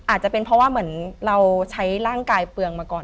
อาจจะเป็นเพราะว่าเหมือนเราใช้ร่างกายเปลืองมาก่อน